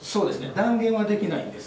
断言はできないです。